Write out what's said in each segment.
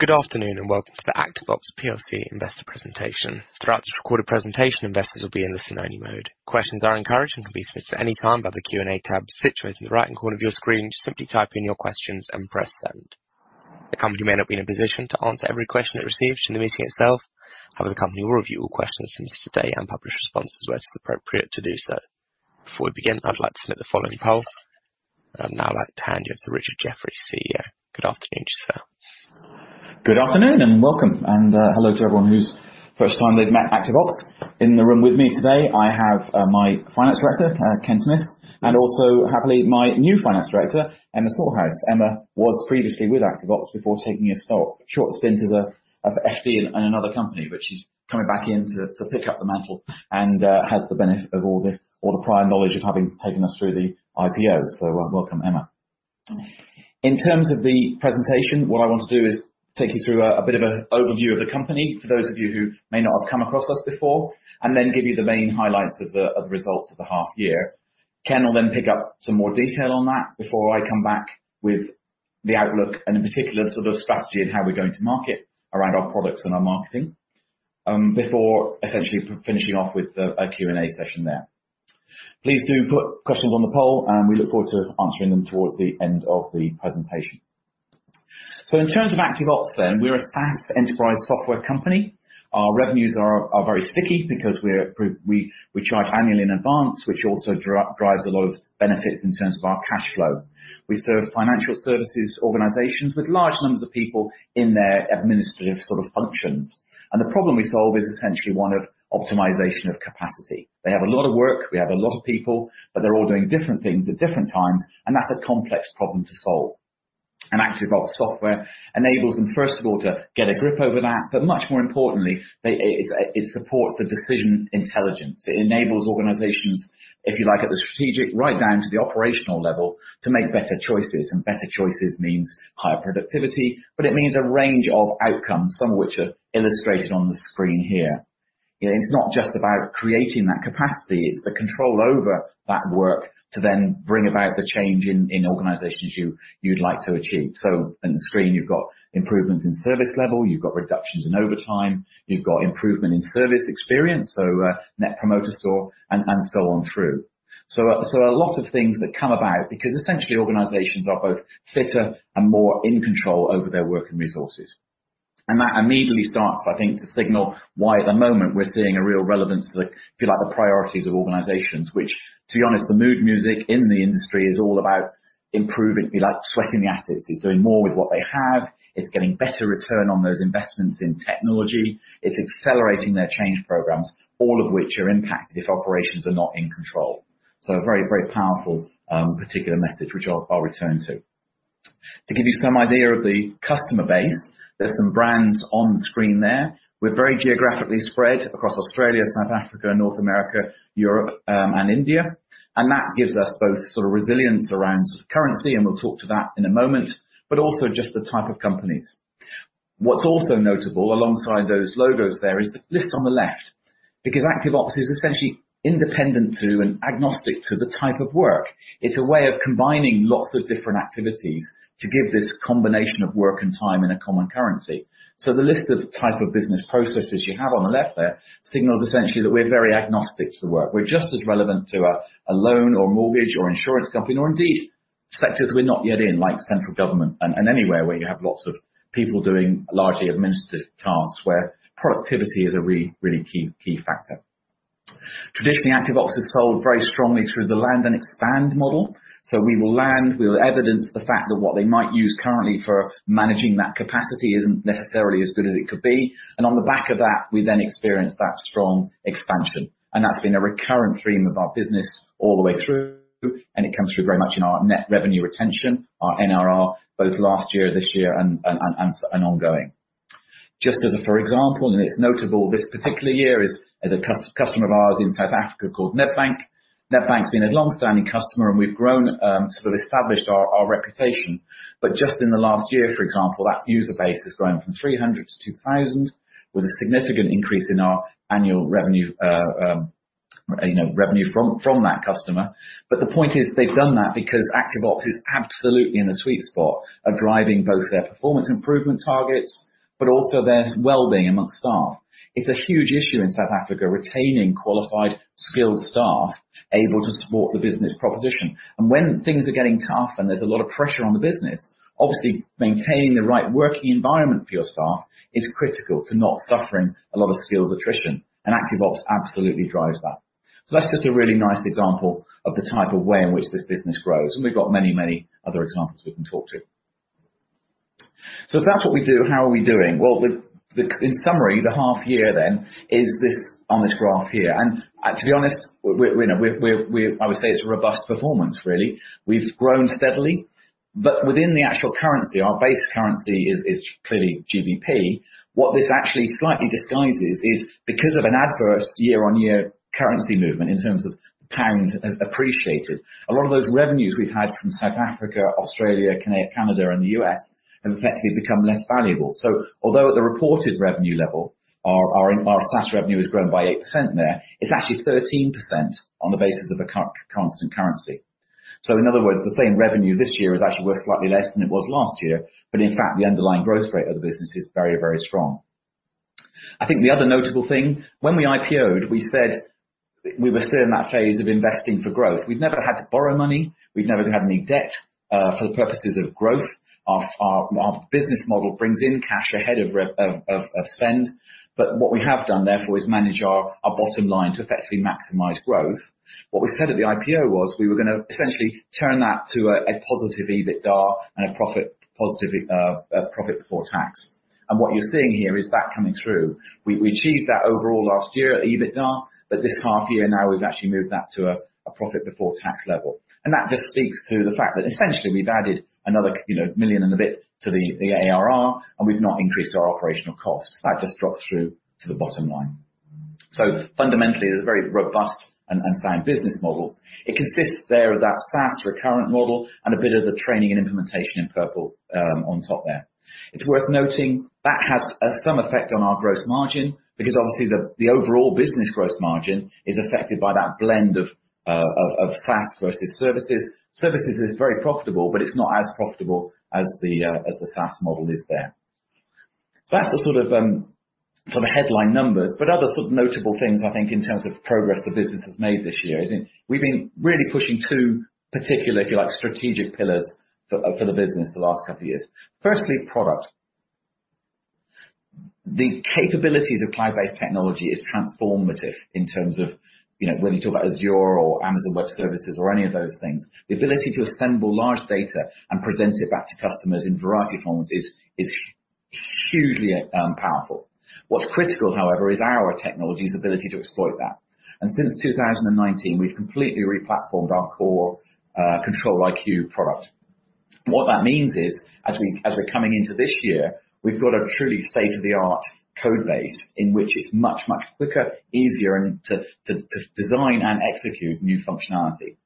Good afternoon. Welcome to the ActiveOps plc Investor Presentation. Throughout this recorded presentation, investors will be in listen only mode. Questions are encouraged and can be submitted at any time by the Q&A tab situated in the right-hand corner of your screen. Just simply type in your questions and press Send. The company may not be in a position to answer every question it receives during the meeting itself, however, the company will review all questions since today and publish responses where it's appropriate to do so. Before we begin, I'd like to submit the following poll. I'd now like to hand you to Richard Jeffery, CEO. Good afternoon to you, sir. Good afternoon, welcome, and hello to everyone who's first time they've met ActiveOps. In the room with me today, I have my Finance Director, Ken Smith, and also happily, my new Finance Director, Emma Salthouse. Emma was previously with ActiveOps before taking a short stint as a FD in another company, but she's coming back in to pick up the mantle and has the benefit of all the prior knowledge of having taken us through the IPO. Welcome, Emma. In terms of the presentation, what I want to do is take you through a bit of an overview of the company, for those of you who may not have come across us before, and then give you the main highlights of the results of the half year. Ken will pick up some more detail on that before I come back with the outlook and in particular, sort of strategy and how we're going to market around our products and our marketing, before essentially finishing off with a Q&A session there. Please do put questions on the poll, and we look forward to answering them towards the end of the presentation. In terms of ActiveOps, we're a SaaS enterprise software company. Our revenues are very sticky because we charge annually in advance, which also drives a lot of benefits in terms of our cash flow. We serve financial services organizations with large numbers of people in their administrative sort of functions, and the problem we solve is essentially one of optimization of capacity. They have a lot of work, we have a lot of people, but they're all doing different things at different times, and that's a complex problem to solve. ActiveOps software enables them, first of all, to get a grip over that, but much more importantly, it supports the Decision Intelligence. It enables organizations, if you like, at the strategic, right down to the operational level, to make better choices. Better choices means higher productivity, but it means a range of outcomes, some of which are illustrated on the screen here. It's not just about creating that capacity, it's the control over that work to then bring about the change in organizations you'd like to achieve. On the screen, you've got improvements in service level, you've got reductions in overtime, you've got improvement in service experience, so, Net Promoter Score, and so on through. A lot of things that come about because essentially organizations are both fitter and more in control over their work and resources. That immediately starts, I think, to signal why at the moment we're seeing a real relevance to the, if you like, the priorities of organizations, which, to be honest, the mood music in the industry is all about improving, like sweating the assets. It's doing more with what they have, it's getting better return on those investments in technology, it's accelerating their change programs, all of which are impacted if operations are not in control. A very powerful particular message, which I'll return to. To give you some idea of the customer base, there's some brands on the screen there. We're very geographically spread across Australia, South Africa, North America, Europe, and India, and that gives us both sort of resilience around currency, and we'll talk to that in a moment, but also just the type of companies. What's also notable alongside those logos there is the list on the left, because ActiveOps is essentially independent to and agnostic to the type of work. It's a way of combining lots of different activities to give this combination of work and time in a common currency. The list of type of business processes you have on the left there, signals essentially that we're very agnostic to the work. We're just as relevant to a loan or mortgage or insurance company, or indeed sectors we're not yet in, like central government and anywhere where you have lots of people doing largely administrative tasks, where productivity is a really key factor. Traditionally, ActiveOps is sold very strongly through the land and expand model. We will land, we will evidence the fact that what they might use currently for managing that capacity isn't necessarily as good as it could be, and on the back of that, we then experience that strong expansion. That's been a recurrent theme of our business all the way through, and it comes through very much in our net revenue retention, our NRR, both last year, this year, and ongoing. Just as a for example, it's notable this particular year, is a customer of ours in South Africa called Nedbank. Nedbank's been a long-standing customer, we've grown, sort of established our reputation. Just in the last year, for example, that user base has grown from 300 to 2,000, with a significant increase in our annual revenue, you know, revenue from that customer. The point is, they've done that because ActiveOps is absolutely in the sweet spot of driving both their performance improvement targets, but also their wellbeing amongst staff. It's a huge issue in South Africa, retaining qualified, skilled staff able to support the business proposition. When things are getting tough and there's a lot of pressure on the business, obviously maintaining the right working environment for your staff is critical to not suffering a lot of skills attrition, and ActiveOps absolutely drives that. That's just a really nice example of the type of way in which this business grows, and we've got many, many other examples we can talk to. If that's what we do, how are we doing? Well, with the... In summary, the half year then, is this on this graph here, and to be honest, we, you know, I would say it's a robust performance, really. We've grown steadily, but within the actual currency, our base currency is clearly GBP. What this actually slightly disguises is because of an adverse year-on-year currency movement, in terms of pound has appreciated, a lot of those revenues we've had from South Africa, Australia, Canada, and the U.S., have effectively become less valuable. Although at the reported revenue level, our SaaS revenue has grown by 8% there, it's actually 13% on the basis of the constant currency. In other words, the same revenue this year is actually worth slightly less than it was last year, in fact, the underlying growth rate of the business is very, very strong. I think the other notable thing, when we IPO'd, we said we were still in that phase of investing for growth. We've never had to borrow money, we've never had any debt for the purposes of growth. Our business model brings in cash ahead of of spend. What we have done therefore, is manage our bottom line to effectively maximize growth. What was said at the IPO was, we were gonna essentially turn that to a positive EBITDA and a profit, positive profit before tax. What you're seeing here is that coming through. We achieved that overall last year at EBITDA, but this half year now, we've actually moved that to a profit before tax level. That just speaks to the fact that essentially, we've added another, you know, 1 million and a bit to the ARR, and we've not increased our operational costs. That just drops through to the bottom line. Fundamentally, it's a very robust and sound business model. It consists there of that SaaS recurrent model and a bit of the training and implementation in purple, on top there. It's worth noting, that has some effect on our gross margin, because obviously, the overall business gross margin is affected by that blend of SaaS versus services. Services is very profitable, but it's not as profitable as the SaaS model is there. That's the sort of headline numbers, but other sort of notable things, I think, in terms of progress the business has made this year, we've been really pushing two particular, if you like, strategic pillars for the business the last couple of years. Firstly, product. The capabilities of cloud-based technology is transformative in terms of, you know, whether you talk about Azure or Amazon Web Services or any of those things, the ability to assemble large data and present it back to customers in variety of forms is hugely powerful. What's critical, however, is our technology's ability to exploit that. Since 2019, we've completely replatformed our core ControliQ product. What that means is, as we're coming into this year, we've got a truly state-of-the-art code base, in which it's much, much quicker, easier and to design and execute new functionality.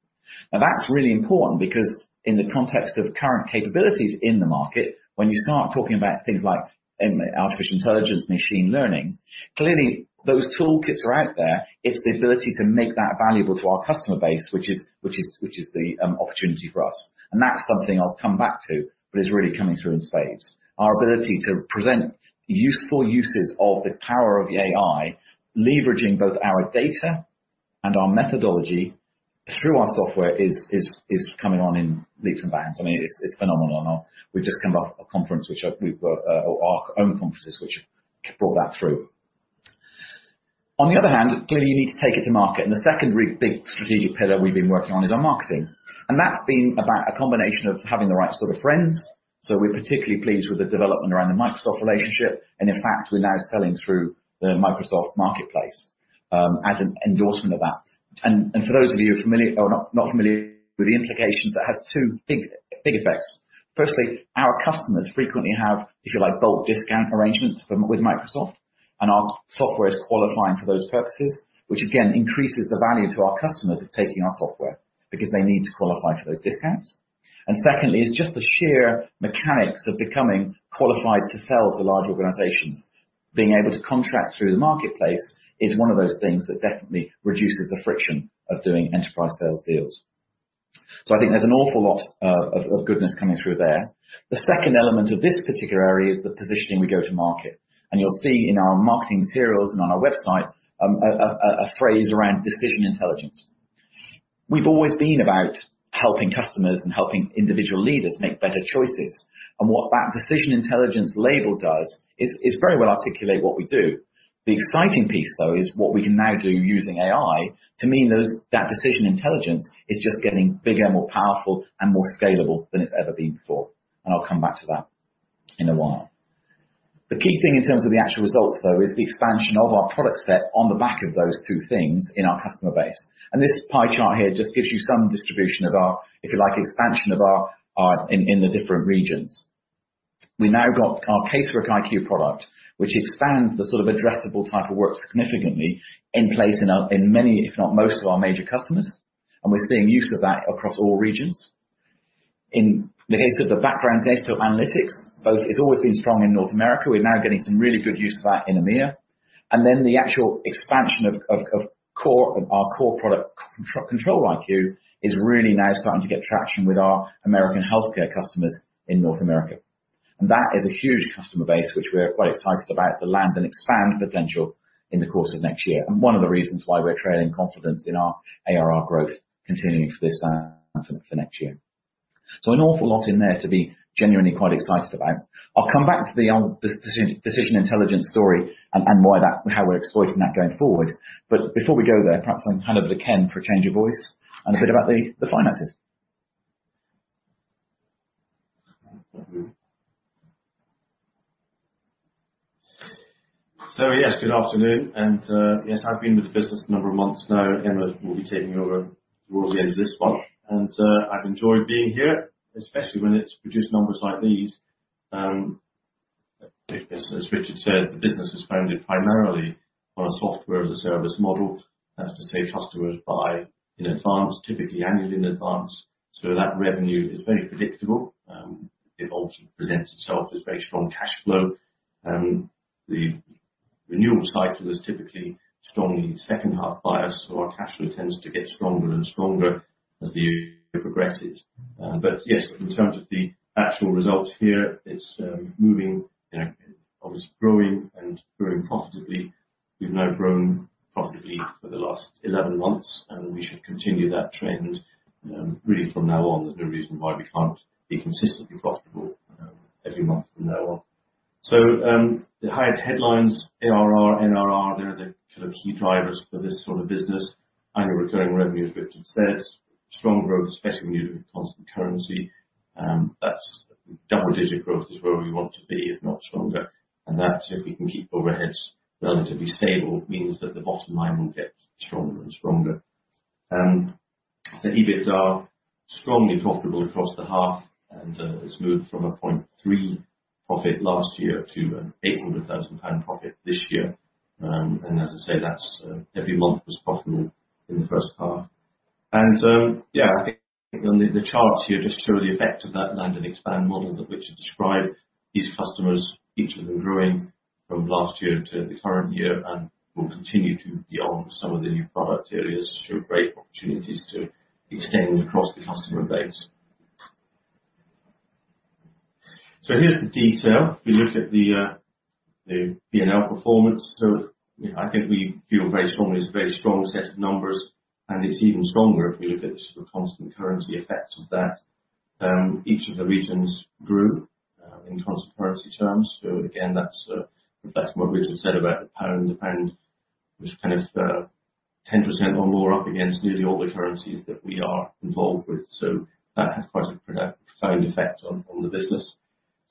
That's really important because in the context of current capabilities in the market, when you start talking about things like artificial intelligence, machine learning, clearly those toolkits are out there. It's the ability to make that valuable to our customer base, which is the opportunity for us. That's something I'll come back to, but it's really coming through in spades. Our ability to present useful uses of the power of AI, leveraging both our data and our methodology through our software is coming on in leaps and bounds. I mean, it's phenomenal. We've just come off a conference, which we've our own conferences, which brought that through. On the other hand, clearly, you need to take it to market. The second big strategic pillar we've been working on is our marketing, and that's been about a combination of having the right sort of friends. We're particularly pleased with the development around the Microsoft relationship, and in fact, we're now selling through the Microsoft Marketplace as an endorsement of that. For those of you who are familiar with the implications, that has two big effects. Firstly, our customers frequently have, if you like, bulk discount arrangements with Microsoft, and our software is qualifying for those purposes, which again, increases the value to our customers of taking our software, because they need to qualify for those discounts. Secondly, it's just the sheer mechanics of becoming qualified to sell to large organizations. Being able to contract through the marketplace is one of those things that definitely reduces the friction of doing enterprise sales deals. I think there's an awful lot of goodness coming through there. The second element of this particular area is the positioning we go to market, and you'll see in our marketing materials and on our website, a phrase around Decision Intelligence. We've always been about helping customers and helping individual leaders make better choices, and what that Decision Intelligence label does is very well articulate what we do. The exciting piece, though, is what we can now do using AI, to mean that Decision Intelligence is just getting bigger, more powerful, and more scalable than it's ever been before, and I'll come back to that in a while. The key thing in terms of the actual results, though, is the expansion of our product set on the back of those two things in our customer base. This pie chart here just gives you some distribution of our, if you like, expansion of our. in the different regions. We've now got our CaseworkiQ product, which expands the sort of addressable type of work significantly in place in our, in many, if not most, of our major customers, and we're seeing use of that across all regions. In the case of the background Desktop Analytics, it's always been strong in North America. We're now getting some really good use of that in EMEA. The actual expansion of core, our core product, ControliQ, is really now starting to get traction with our American healthcare customers in North America. That is a huge customer base, which we are quite excited about the land and expand potential in the course of next year, and one of the reasons why we're trailing confidence in our ARR growth continuing for this and for next year. An awful lot in there to be genuinely quite excited about. I'll come back to the Decision Intelligence story and how we're exploiting that going forward. Before we go there, perhaps I'll hand over to Ken for a change of voice and a bit about the finances. Yes, good afternoon. Yes, I've been with the business for a number of months now, and Emma will be taking over towards the end of this one. I've enjoyed being here, especially when it's produced numbers like these. As Richard said, the business was founded primarily on a software as a service model. That's to say, customers buy in advance, typically annually in advance, so that revenue is very predictable. It also presents itself as very strong cash flow. The renewals cycle is typically strongly second half bias, so our cash flow tends to get stronger and stronger as the year progresses. Yes, in terms of the actual results here, it's, you know, obviously growing and growing profitably. We've now grown profitably for the last 11 months, and we should continue that trend really from now on. There's no reason why we can't be consistently profitable every month from now on. The highest headlines, ARR, NRR, they're the kind of key drivers for this sort of business. Annual recurring revenue, as Richard said, strong growth, especially constant currency. That's double-digit growth is where we want to be, if not stronger. That, if we can keep overheads relatively stable, means that the bottom line will get stronger and stronger. EBITDA, strongly profitable across the half, it's moved from a 0.3 profit last year to a 800,000 pound profit this year. As I say, that's every month was profitable in the first half. I think on the charts here just show the effect of that land and expand model that Richard described. These customers, each of them growing from last year to the current year, and will continue to beyond some of the new product areas, show great opportunities to extend across the customer base. Here's the detail. If you look at the PNL performance, I think we feel very strongly it's a very strong set of numbers, and it's even stronger if you look at the constant currency effect of that. Each of the regions grew in constant currency terms. Again, that's reflecting what Richard said about the pound. The pound was kind of 10% or more up against nearly all the currencies that we are involved with. That has quite a profound effect on the business.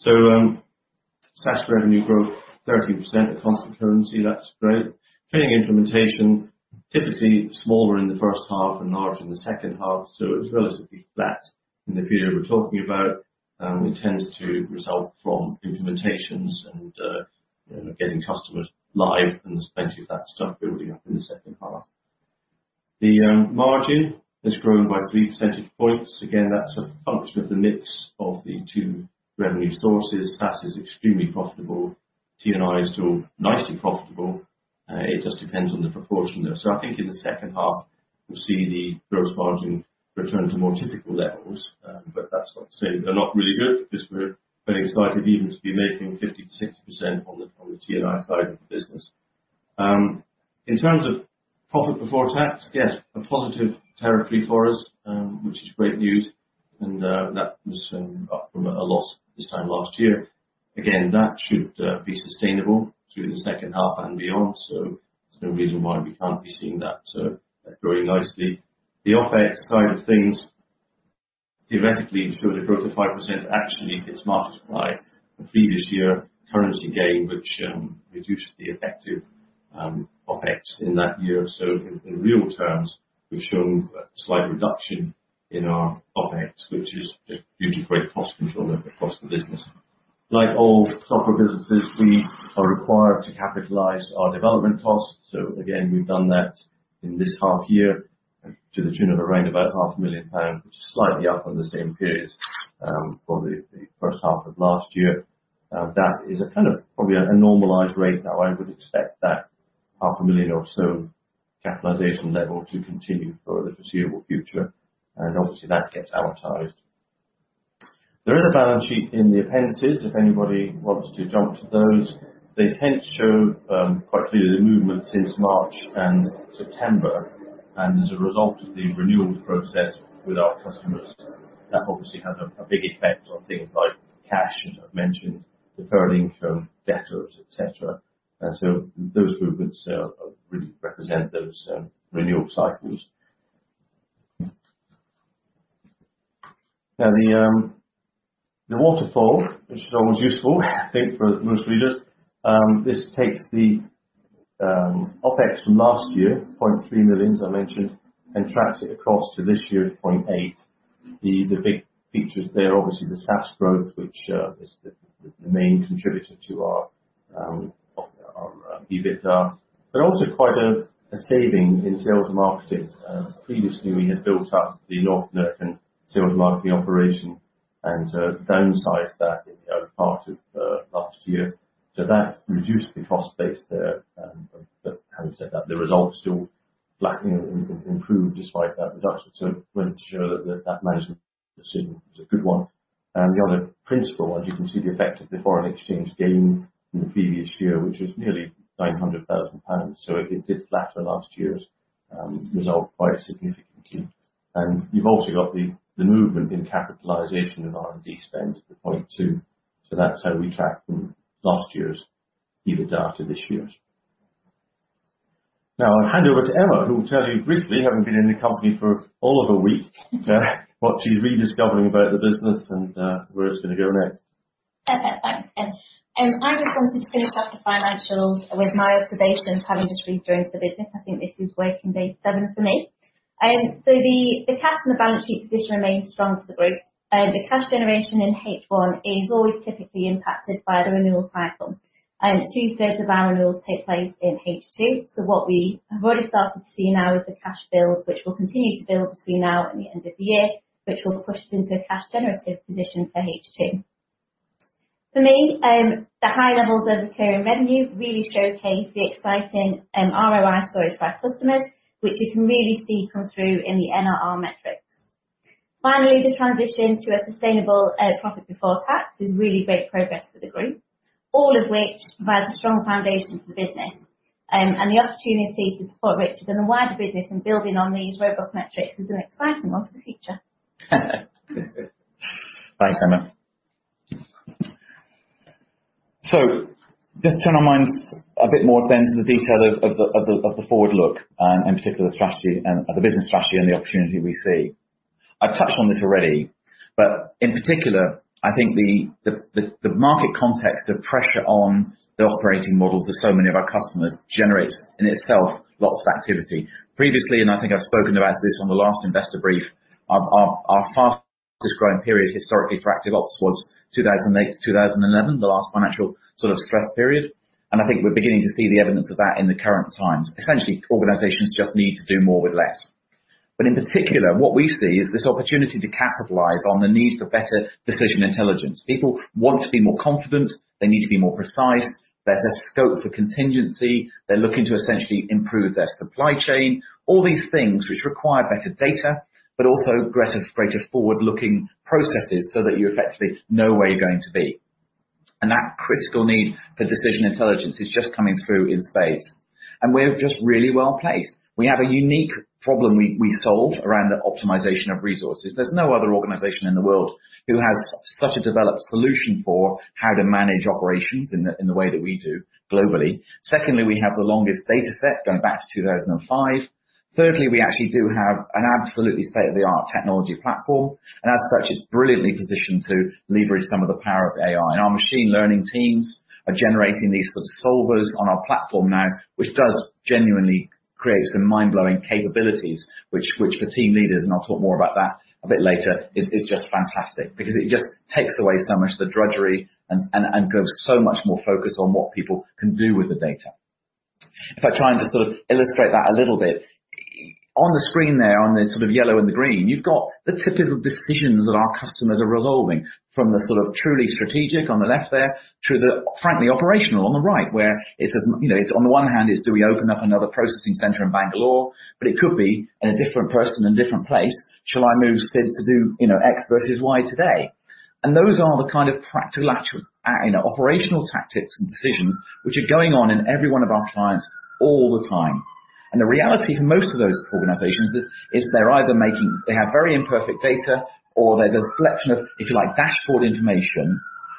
SaaS revenue growth, 13% at constant currency. That's great. Training and implementation, typically smaller in the first half and large in the second half, so it was relatively flat in the period we're talking about. It tends to result from implementations and, you know, getting customers live, and there's plenty of that stuff building up in the second half. The margin has grown by three percentage points. Again, that's a function of the mix of the two revenue sources. SaaS is extremely profitable. T&I is still nicely profitable. It just depends on the proportion, though. I think in the second half, we'll see the gross margin return to more typical levels. That's not to say they're not really good, because we're very excited even to be making 50%-60% on the T&I side of the business. In terms of profit before tax, yes, a positive territory for us, which is great news, that was up from a loss this time last year. That should be sustainable through the second half and beyond, there's no reason why we can't be seeing that growing nicely. The OpEx side of things, theoretically, we show the growth of 5%. Actually, it's masked by the previous year currency gain, which reduced the effective OpEx in that year. In real terms, we've shown a slight reduction in our OpEx, which is just due to great cost control across the business. Like all software businesses, we are required to capitalize our development costs. Again, we've done that in this half year to the tune of around about half a million pounds, which is slightly up on the same period for the first half of last year. That is a kind of, probably a normalized rate, though I would expect that half a million GBP or so capitalization level to continue for the foreseeable future, and obviously that gets amortized. There is a balance sheet in the appendices, if anybody wants to jump to those. They tend to show quite clearly the movement since March and September, and as a result of the renewals process with our customers, that obviously has a big effect on things like cash, as I've mentioned, deferred income, debtors, et cetera. Those movements really represent those renewal cycles. Now, the waterfall, which is always useful I think, for most readers, this takes the OpEx from last year, 0.3 million, as I mentioned, and tracks it across to this year's 0.8 million. The big features there, obviously the SaaS growth, which is the main contributor to our EBITDA, but also quite a saving in sales marketing. Previously, we had built up the North American sales marketing operation and downsized that in the early part of last year. That reduced the cost base there. Having said that, the results still flattened and improved despite that reduction, we're sure that management decision was a good one. The other principal one, you can see the effect of the foreign exchange gain from the previous year, which was nearly 900,000 pounds. It did flatten last year's result quite significantly. You've also got the movement in capitalization and R&D spend of the 0.2. That's how we track from last year's EBITDA to this year's. I'll hand over to Emma, who will tell you briefly, having been in the company for all of a week, what she's rediscovering about the business and where it's gonna go next. Okay, thanks, Ken. I just wanted to finish up the financials with my observations, having just rejoined the business. I think this is working day seven for me. The cash and the balance sheet position remains strong for the group. The cash generation in H1 is always typically impacted by the renewal cycle. Two-thirds of our renewals take place in H2. What we have already started to see now is the cash build, which will continue to build between now and the end of the year, which will push us into a cash generative position for H2. For me, the high levels of recurring revenue really showcase the exciting, ROI stories for our customers, which you can really see come through in the NRR metrics. Finally, the transition to a sustainable profit before tax is really great progress for the group, all of which provides a strong foundation for the business. The opportunity to support Richard and the wider business in building on these robust metrics is an exciting one for the future. Thanks, Emma. Just turn our minds a bit more then to the detail of the forward look, in particular the strategy and the business strategy and the opportunity we see. I've touched on this already, but in particular, I think the market context of pressure on the operating models of so many of our customers generates, in itself, lots of activity. Previously, I think I've spoken about this on the last investor brief, our fastest growing period historically for ActiveOps was 2008 to 2011, the last financial sort of stress period, and I think we're beginning to see the evidence of that in the current times. Essentially, organizations just need to do more with less. In particular, what we see is this opportunity to capitalize on the need for better Decision Intelligence. People want to be more confident, they need to be more precise, better scope for contingency. They're looking to essentially improve their supply chain. All these things which require better data, but also greater forward-looking processes so that you effectively know where you're going to be. That critical need for Decision Intelligence is just coming through in spades, and we're just really well placed. We have a unique problem we solve around the optimization of resources. There's no other organization in the world who has such a developed solution for how to manage operations in the way that we do globally. Secondly, we have the longest data set, going back to 2005. Thirdly, we actually do have an absolutely state-of-the-art technology platform, and as such, it's brilliantly positioned to leverage some of the power of AI. Our machine learning teams are generating these sort of solvers on our platform now, which does genuinely create some mind-blowing capabilities, which for team leaders, and I'll talk more about that a bit later, is just fantastic because it just takes away so much of the drudgery and goes so much more focused on what people can do with the data. If I try and just sort of illustrate that a little bit, on the screen there, on the sort of yellow and the green, you've got the typical decisions that our customers are resolving, from the sort of truly strategic on the left there, to the frankly operational on the right, where it's, as you know, it's on the one hand is: Do we open up another processing center in Bangalore? It could be in a different person and different place: Shall I move Sid to do, you know, X versus Y today? Those are the kind of practical, actual, you know, operational tactics and decisions which are going on in every one of our clients all the time. The reality for most of those organizations is, they're either making... They have very imperfect data, or there's a selection of, if you like, dashboard information,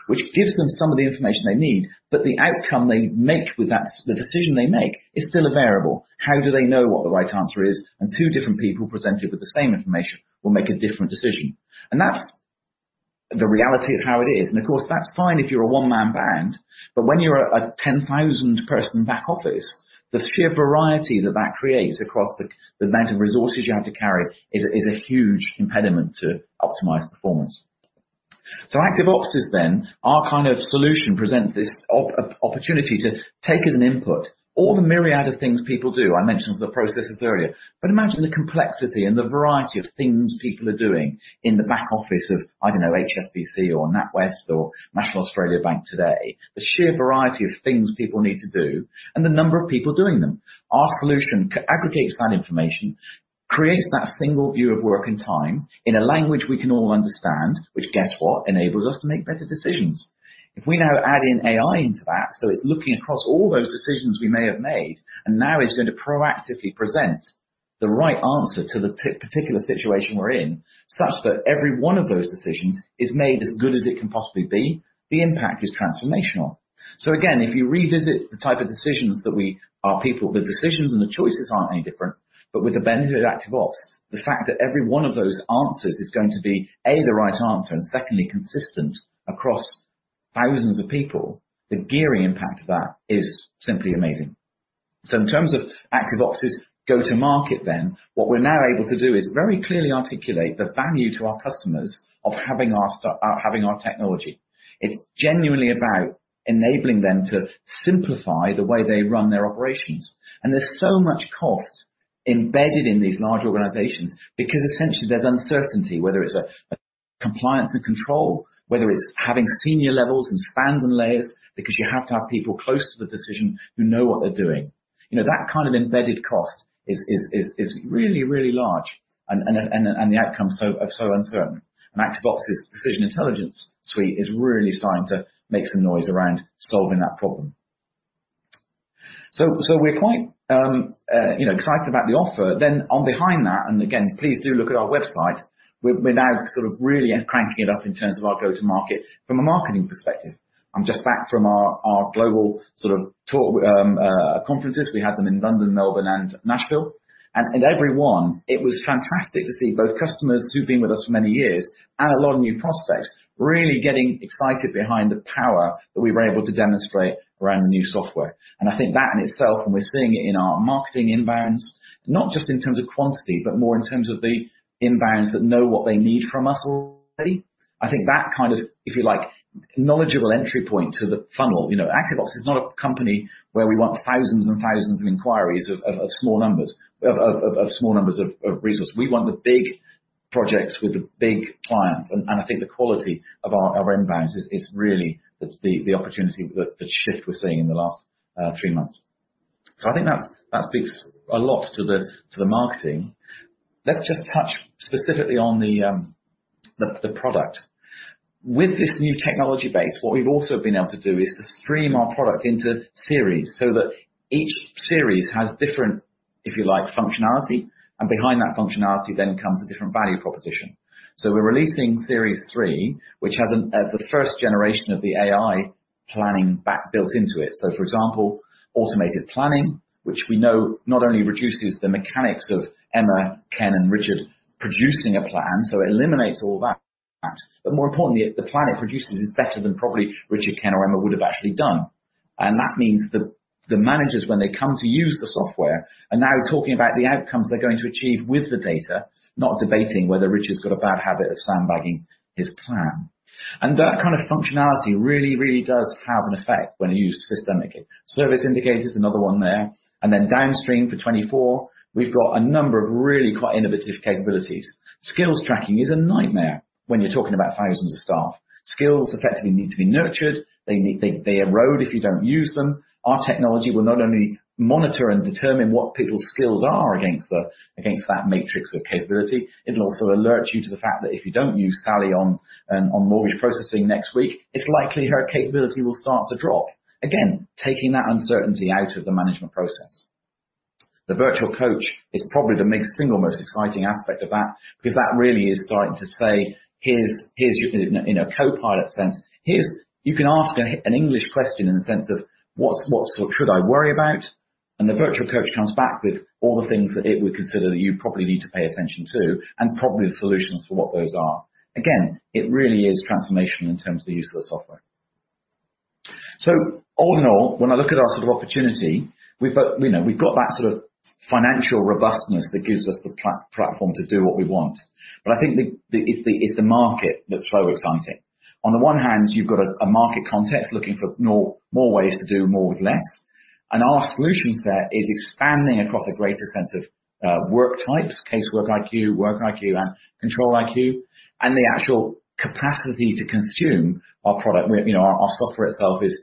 which gives them some of the information they need, but the outcome they make with that, the decision they make is still a variable. How do they know what the right answer is? Two different people presented with the same information will make a different decision, and that's the reality of how it is. Of course, that's fine if you're a one-man band, but when you're a 10,000 person back office, the sheer variety that creates across the amount of resources you have to carry is a huge impediment to optimized performance. ActiveOps is then, our kind of solution presents this opportunity to take as an input all the myriad of things people do. I mentioned the processes earlier, imagine the complexity and the variety of things people are doing in the back office of, I don't know, HSBC or NatWest or National Australia Bank today. The sheer variety of things people need to do and the number of people doing them. Our solution aggregates that information, creates that single view of work and time in a language we can all understand, which, guess what? Enables us to make better decisions. If we now add in AI into that, it's looking across all those decisions we may have made, and now it's going to proactively present the right answer to the particular situation we're in, such that every one of those decisions is made as good as it can possibly be, the impact is transformational. Again, if you revisit the type of decisions that our people, the decisions and the choices aren't any different, but with the benefit of ActiveOps, the fact that every one of those answers is going to be, A, the right answer, and secondly, consistent across thousands of people, the gearing impact of that is simply amazing. In terms of ActiveOps' go-to market, then, what we're now able to do is very clearly articulate the value to our customers of having our stuff, having our technology. It's genuinely about enabling them to simplify the way they run their operations. There's so much cost embedded in these large organizations because essentially there's uncertainty, whether it's a compliance and control, whether it's having senior levels and spans and layers, because you have to have people close to the decision who know what they're doing. You know, that kind of embedded cost is really large and the outcome so uncertain. ActiveOps' Decision Intelligence suite is really starting to make some noise around solving that problem. We're quite, you know, excited about the offer. On behind that, again, please do look at our website, we're now sort of really cranking it up in terms of our go-to market from a marketing perspective. I'm just back from our global sort of tour conferences. We had them in London, Melbourne, and Nashville. Every one, it was fantastic to see both customers who've been with us for many years and a lot of new prospects, really getting excited behind the power that we were able to demonstrate around the new software. I think that in itself, and we're seeing it in our marketing inbounds, not just in terms of quantity, but more in terms of the inbounds that know what they need from us already. I think that kind of, if you like, knowledgeable entry point to the funnel, you know, ActiveOps is not a company where we want thousands and thousands of inquiries of small numbers, of small numbers of resources. We want the projects with the big clients, and I think the quality of our inbounds is really the opportunity that shift we're seeing in the last three months. I think that's, that speaks a lot to the marketing. Let's just touch specifically on the product. With this new technology base, what we've also been able to do is to stream our product into series, so that each series has different, if you like, functionality, and behind that functionality then comes a different value proposition. We're releasing Series 3, which has the first generation of the AI planning built into it. For example, automated planning, which we know not only reduces the mechanics of Emma, Ken, and Richard producing a plan, so it eliminates all that. More importantly, the plan it produces is better than probably Richard, Ken, or Emma would have actually done. That means the managers, when they come to use the software, are now talking about the outcomes they're going to achieve with the data, not debating whether Richard's got a bad habit of sandbagging his plan. That kind of functionality really, really does have an effect when used systemically. Service indicator is another one there. Downstream, for 2024, we've got a number of really quite innovative capabilities. Skills tracking is a nightmare when you're talking about thousands of staff. Skills effectively need to be nurtured. They erode if you don't use them. Our technology will not only monitor and determine what people's skills are against that matrix of capability, it'll also alert you to the fact that if you don't use Sally on mortgage processing next week, it's likely her capability will start to drop. Again, taking that uncertainty out of the management process. The Virtual Coach is probably the single most exciting aspect of that, because that really is starting to say, "Here's your..." In a copilot sense, You can ask an English question in the sense of what's or should I worry about? And the Virtual Coach comes back with all the things that it would consider that you probably need to pay attention to, and probably the solutions for what those are. Again, it really is transformational in terms of the use of the software. All in all, when I look at our sort of opportunity, we've got, you know, we've got that sort of financial robustness that gives us the platform to do what we want. I think it's the market that's so exciting. On the one hand, you've got a market context looking for more ways to do more with less, and our solution set is expanding across a greater sense of work types, CaseworkiQ, WorkiQ, and ControliQ, and the actual capacity to consume our product. You know, our software itself is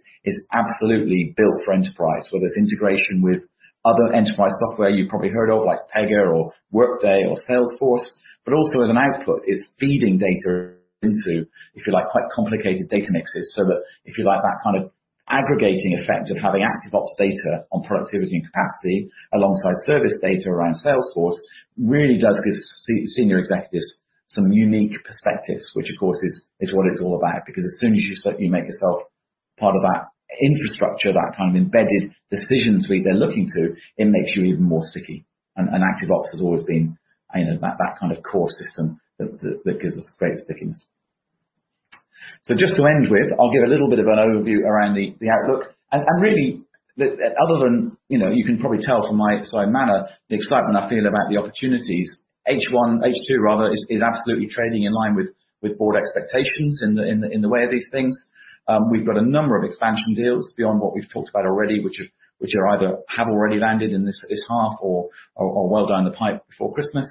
absolutely built for enterprise, whether it's integration with other enterprise software you've probably heard of, like Pega or Workday or Salesforce, but also as an output, it's feeding data into, if you like, quite complicated data mixes, so that, if you like, that kind of aggregating effect of having ActiveOps data on productivity and capacity alongside service data around Salesforce, really does give senior executives some unique perspectives, which, of course, is what it's all about. Because as soon as you make yourself part of that infrastructure, that kind of embedded decisions suite they're looking to, it makes you even more sticky. ActiveOps has always been, you know, that kind of core system that gives us great stickiness. Just to end with, I'll give a little bit of an overview around the outlook. Really, other than, you know, you can probably tell from my sort of manner, the excitement I feel about the opportunities. H2 rather, is absolutely trading in line with board expectations in the way of these things. We've got a number of expansion deals beyond what we've talked about already, which are either have already landed in this half or well down the pipe before Christmas.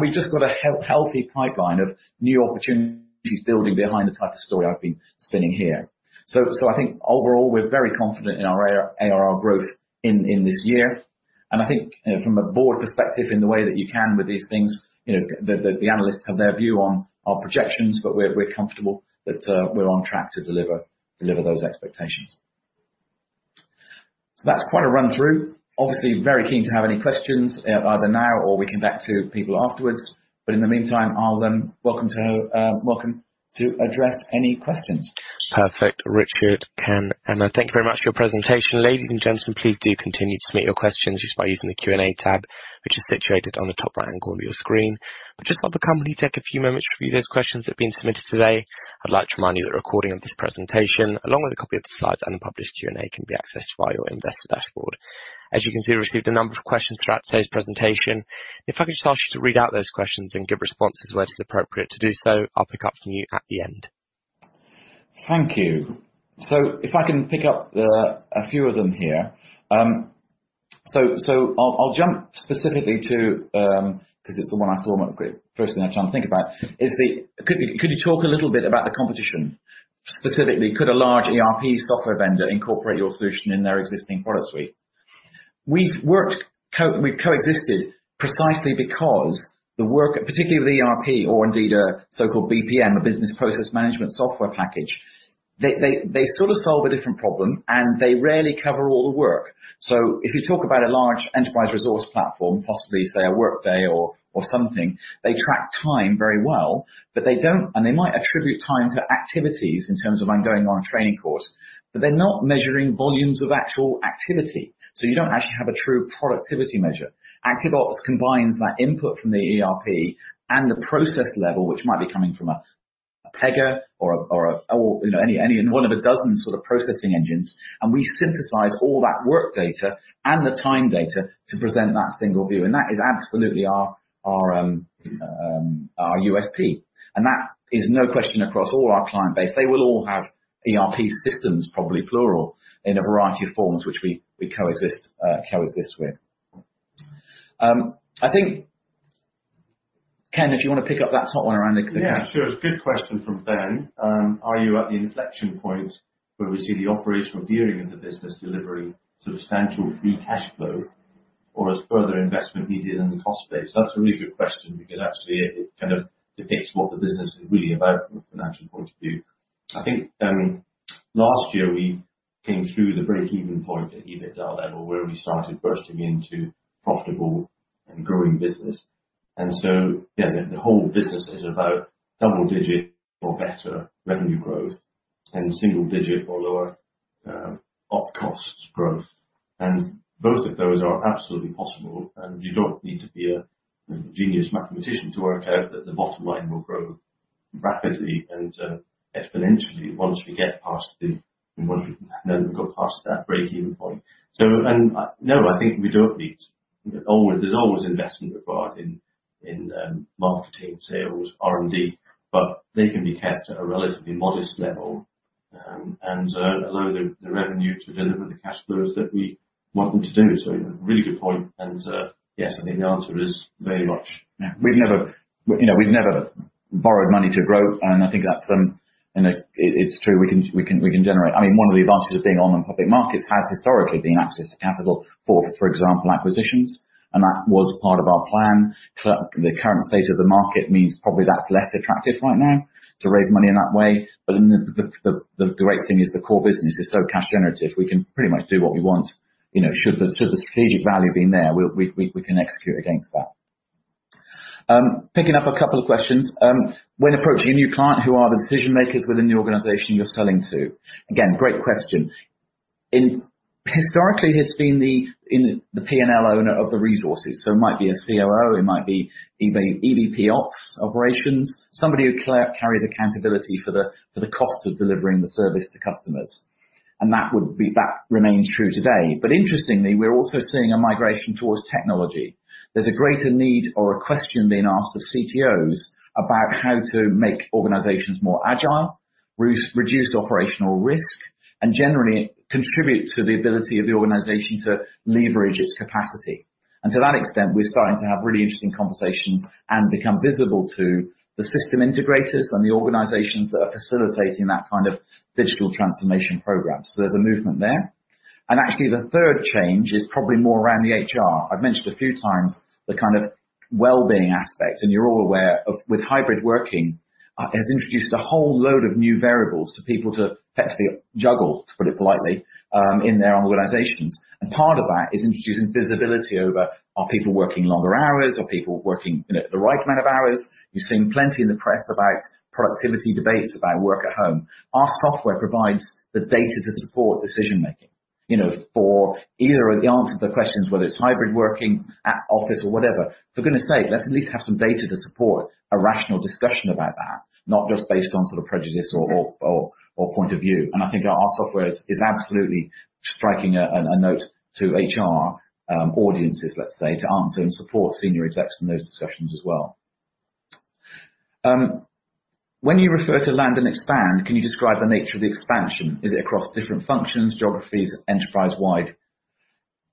We've just got a healthy pipeline of new opportunities building behind the type of story I've been spinning here. I think overall, we're very confident in our ARR growth in this year. I think, from a board perspective, in the way that you can with these things, you know, the analysts have their view on our projections, we're comfortable that we're on track to deliver those expectations. That's quite a run-through. Obviously, very keen to have any questions, either now or we come back to people afterwards. In the meantime, I'll then welcome to address any questions. Perfect. Richard, Ken, Emma, thank you very much for your presentation. Ladies and gentlemen, please do continue to submit your questions just by using the Q&A tab, which is situated on the top right angle of your screen. I'll just let the company take a few moments to review those questions that have been submitted today. I'd like to remind you that a recording of this presentation, along with a copy of the slides and the published Q&A, can be accessed via your investor dashboard. As you can see, we received a number of questions throughout today's presentation. If I could just ask you to read out those questions and give responses where it's appropriate to do so, I'll pick up from you at the end. Thank you. If I can pick up the, a few of them here. I'll jump specifically to because it's the one I saw firstly, I'm trying to think about, is the: Could you talk a little bit about the competition? Specifically, could a large ERP software vendor incorporate your solution in their existing product suite? We've coexisted precisely because the work, particularly the ERP or indeed a so-called BPM, a Business Process Management software package, they sort of solve a different problem, and they rarely cover all the work. If you talk about a large enterprise resource platform, possibly, say, a Workday or something, they track time very well, but they might attribute time to activities in terms of ongoing on a training course, but they're not measuring volumes of actual activity, so you don't actually have a true productivity measure. ActiveOps combines that input from the ERP and the process level, which might be coming from a Pega or a, or, you know, any one of 12 sort of processing engines, and we synthesize all that work data and the time data to present that single view, and that is absolutely our, our USP. That is no question across all our client base. They will all have ERP systems, probably plural, in a variety of forms which we coexist with. I think, Ken, if you wanna pick up that top one around. Yeah, sure. It's a good question from Ben. Are you at the inflection point where we see the operational gearing of the business delivering substantial free cash flow, or is further investment needed in the cost base? That's a really good question, because actually it kind of depicts what the business is really about from a financial point of view. I think last year, we came through the break-even point at EBITDA level, where we started bursting into profitable and growing business. Yeah, the whole business is about double-digit or better revenue growth and single-digit or lower op costs growth. Both of those are absolutely possible, and you don't need to be a genius mathematician to work out that the bottom line will grow rapidly and exponentially once we get past the... Once we go past that break-even point. No, I think we don't need. There's always investment required in marketing, sales, R&D, but they can be kept at a relatively modest level, and allow the revenue to deliver the cash flows that we want them to do. Yeah, really good point, and yes, I think the answer is very much. Yeah. We've never, you know, we've never borrowed money to grow, and I think that's, you know, it's true. We can generate... I mean, one of the advantages of being on the public markets has historically been access to capital for example, acquisitions, and that was part of our plan. The current state of the market means probably that's less attractive right now to raise money in that way. The great thing is the core business is so cash generative, we can pretty much do what we want. You know, should the strategic value being there, we can execute against that. Picking up a couple of questions. When approaching a new client, who are the decision makers within the organization you're selling to? Again, great question. Historically, it's been the P&L owner of the resources, so it might be a CRO, it might be the EVP Ops, Operations. Somebody who carries accountability for the cost of delivering the service to customers. That would be. That remains true today. Interestingly, we're also seeing a migration towards technology. There's a greater need or a question being asked of CTOs about how to make organizations more agile, reduce operational risks, and generally contribute to the ability of the organization to leverage its capacity. To that extent, we're starting to have really interesting conversations and become visible to the system integrators and the organizations that are facilitating that kind of digital transformation program. There's a movement there. Actually, the third change is probably more around the HR. I've mentioned a few times the kind of well-being aspect, and you're all aware of, with hybrid working, has introduced a whole load of new variables for people to effectively juggle, to put it politely, in their own organizations. Part of that is introducing visibility over, are people working longer hours? Are people working, you know, the right amount of hours? You've seen plenty in the press about productivity debates, about work at home. Our software provides the data to support decision making, you know, for either the answer to the questions, whether it's hybrid working, at office or whatever. We're gonna say, let's at least have some data to support a rational discussion about that, not just based on sort of prejudice or point of view. I think our software is absolutely striking a note to HR audiences, let's say, to answer and support senior execs in those discussions as well. When you refer to land and expand, can you describe the nature of the expansion? Is it across different functions, geographies, enterprise-wide?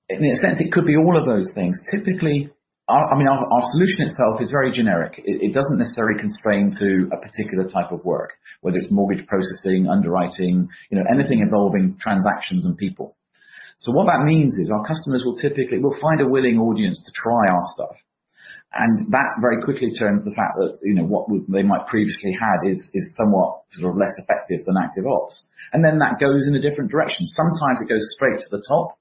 In a sense, it could be all of those things. Typically, I mean, our solution itself is very generic. It doesn't necessarily constrain to a particular type of work, whether it's mortgage processing, underwriting, you know, anything involving transactions and people. What that means is our customers will typically... We'll find a willing audience to try our stuff, and that very quickly turns the fact that, you know, what they might previously had is somewhat sort of less effective than ActiveOps. Then that goes in a different direction. Sometimes it goes straight to the top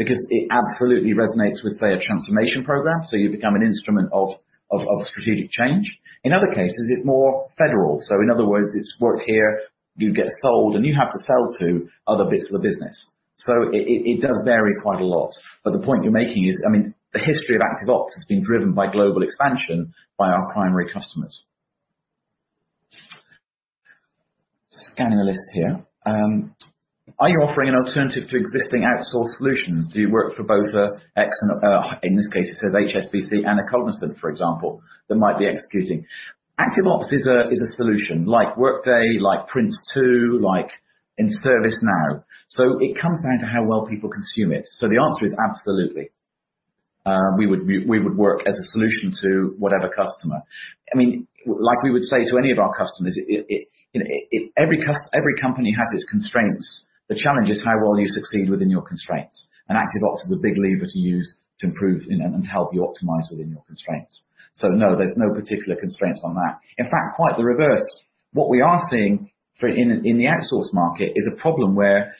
because it absolutely resonates with, say, a transformation program, so you become an instrument of, of strategic change. In other cases, it's more federal. In other words, it's worked here, you get sold, and you have to sell to other bits of the business. It, it does vary quite a lot. The point you're making is, I mean, the history of ActiveOps has been driven by global expansion by our primary customers. Just scanning the list here. Are you offering an alternative to existing outsource solutions? Do you work for both, X and, in this case, it says HSBC and a Cognizant, for example, that might be executing. ActiveOps is a, is a solution like Workday, like PRINCE2, like in ServiceNow. It comes down to how well people consume it. The answer is absolutely. We would work as a solution to whatever customer. I mean, like we would say to any of our customers, every company has its constraints. The challenge is how well you succeed within your constraints. ActiveOps is a big lever to use to improve and to help you optimize within your constraints. No, there's no particular constraints on that. In fact, quite the reverse. What we are seeing for in the outsource market is a problem where,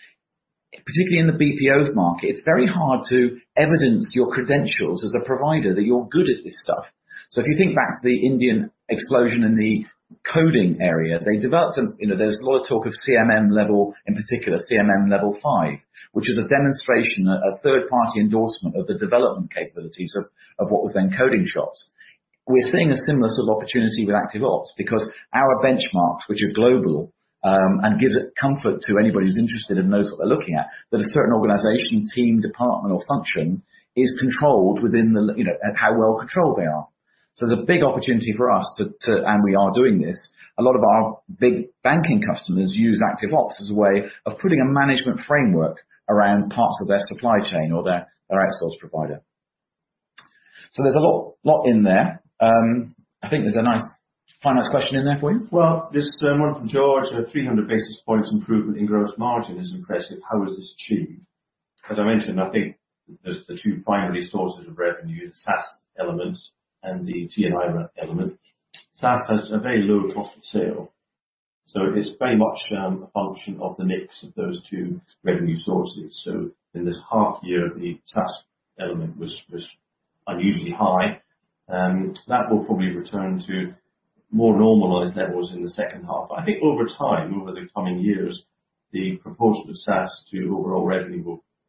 particularly in the BPOs market, it's very hard to evidence your credentials as a provider, that you're good at this stuff. If you think back to the Indian explosion in the coding area, they developed some... You know, there's a lot of talk of CMM level, in particular CMM Level 5, which is a demonstration, a third-party endorsement of the development capabilities of what was then coding shops. We're seeing a similar sort of opportunity with ActiveOps, because our benchmarks, which are global, and gives it comfort to anybody who's interested and knows what they're looking at, that a certain organization, team, department or function is controlled within the, you know, at how well controlled they are. There's a big opportunity for us and we are doing this. A lot of our big banking customers use ActiveOps as a way of putting a management framework around parts of their supply chain or their outsource provider. There's a lot in there. I think there's a nice final question in there for you? This one from George: "300 basis points improvement in gross margin is impressive. How is this achieved?" As I mentioned, I think there's the two primary sources of revenue, the SaaS elements and the T&I element. SaaS has a very low cost of sale, so it's very much a function of the mix of those two revenue sources. In this half year, the SaaS element was unusually high. That will probably return to more normalized levels in the second half. I think over time, over the coming years, the proportion of SaaS to overall revenue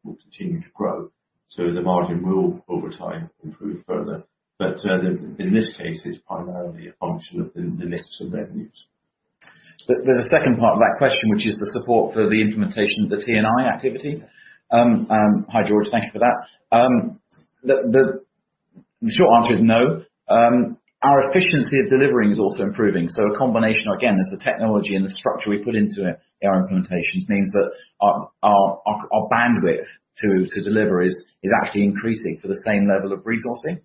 will continue to grow, so the margin will, over time, improve further. In this case, it's primarily a function of the mix of revenues. There's a second part of that question, which is the support for the implementation of the T&I activity. Hi, George, thank you for that. The short answer is no. Our efficiency of delivering is also improving, so a combination. Again, there's the technology and the structure we put into it, our implementations, means that our bandwidth to deliver is actually increasing for the same level of resourcing.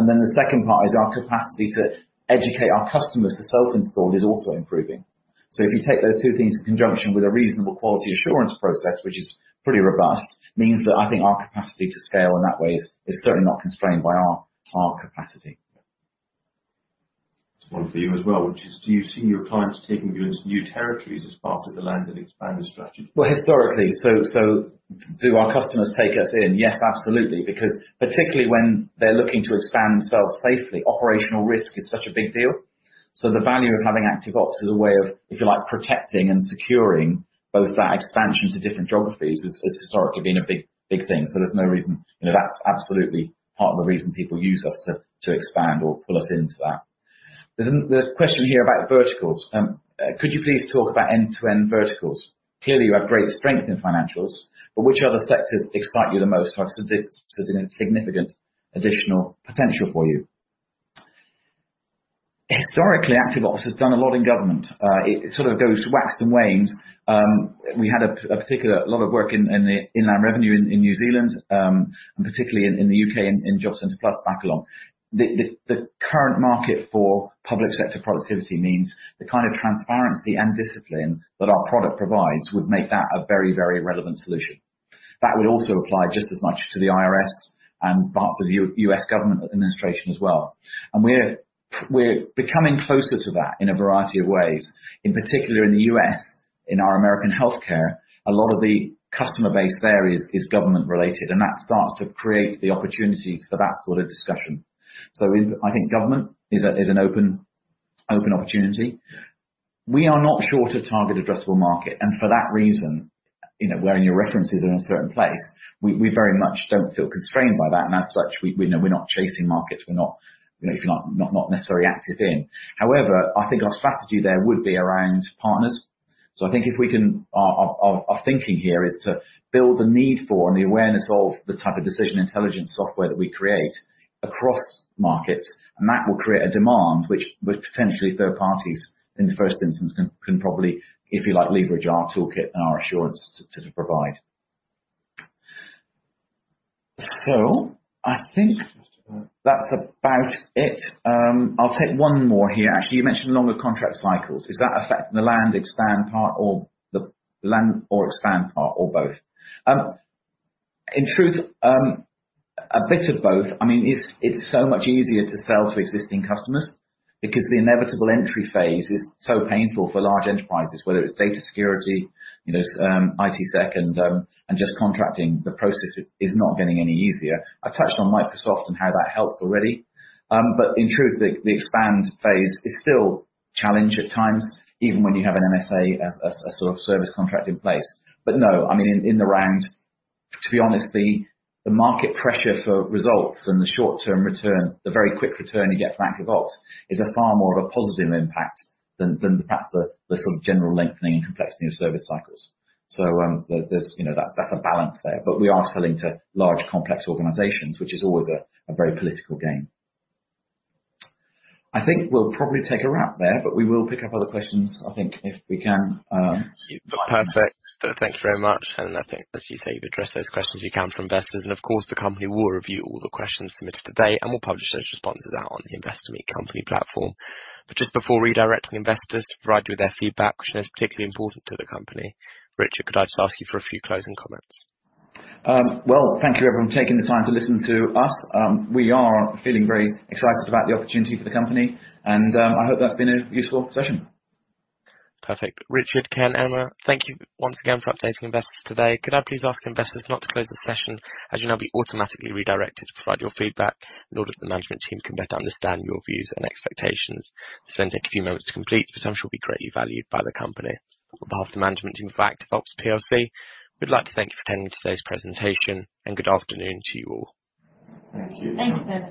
The second part is our capacity to educate our customers to self-install is also improving. If you take those two things in conjunction with a reasonable quality assurance process, which is pretty robust, means that I think our capacity to scale in that way is certainly not constrained by our capacity. There's one for you as well, which is: Do you see your clients taking you into new territories as part of the land and expanded strategy? Historically, do our customers take us in? Yes, absolutely, because particularly when they're looking to expand themselves safely, operational risk is such a big deal. The value of having ActiveOps as a way of, if you like, protecting and securing both that expansion to different geographies, has historically been a big thing. There's no reason. You know, that's absolutely part of the reason people use us to expand or pull us into that. There's the question here about verticals. "Could you please talk about end-to-end verticals? Clearly, you have great strength in financials, but which other sectors excite you the most because they're significant additional potential for you?" Historically, ActiveOps has done a lot in government. It sort of goes wax and wanes. We had a particular lot of work in the Inland Revenue in New Zealand, and particularly in the U.K. in Jobcentre Plus back along. The current market for public sector productivity means the kind of transparency and discipline that our product provides would make that a very, very relevant solution. That would also apply just as much to the IRS and parts of U.S. government administration as well. We're becoming closer to that in a variety of ways, in particular in the U.S., in our American healthcare, a lot of the customer base there is government related, and that starts to create the opportunity for that sort of discussion. I think government is an open opportunity. We are not sure to target addressable market, and for that reason, you know, we're in your references in a certain place. We, we very much don't feel constrained by that, and as such, we're not chasing markets. We're not, you know, if you're not necessarily active in. I think our strategy there would be around partners. I think if we can... Our, our thinking here is to build the need for and the awareness of the type of Decision Intelligence software that we create across markets, and that will create a demand, which would potentially third parties, in the first instance, can probably, if you like, leverage our toolkit and our assurance to provide. I think that's about it. I'll take one more here. "Actually, you mentioned longer contract cycles. Is that affecting the land expand part or the land or expand part, or both?" In truth, a bit of both. I mean, it's so much easier to sell to existing customers because the inevitable entry phase is so painful for large enterprises, whether it's data security, you know, IT sec, and just contracting, the process is not getting any easier. I've touched on Microsoft and how that helps already. In truth, the expand phase is still challenge at times, even when you have an MSA as a sort of service contract in place. No, I mean, in the round, to be honest, the market pressure for results and the short-term return, the very quick return you get from ActiveOps is a far more of a positive impact than the perhaps the sort of general lengthening and complexity of service cycles. There's, you know, that's a balance there. We are selling to large, complex organizations, which is always a very political game. I think we'll probably take a wrap there, but we will pick up other questions, I think, if we can. Perfect. Thank you very much. I think, as you say, you've addressed those questions you can from investors, and of course, the company will review all the questions submitted today, and we'll publish those responses out on the Investor Meet Company platform. Just before redirecting investors to provide you with their feedback, which is particularly important to the company, Richard, could I just ask you for a few closing comments? Well, thank you everyone for taking the time to listen to us. We are feeling very excited about the opportunity for the company, and I hope that's been a useful session. Perfect. Richard, Ken, Emma, thank you once again for updating investors today. Could I please ask investors not to close the session, as you'll now be automatically redirected to provide your feedback in order that the management team can better understand your views and expectations. This will take a few moments to complete, but some should be greatly valued by the company. On behalf of the management team of ActiveOps plc, we'd like to thank you for attending today's presentation, and good afternoon to you all. Thank you. Thank you very much.